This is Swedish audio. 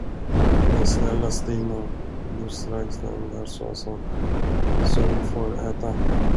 Men snälla Stina, gör strax den där såsen, så vi får äta.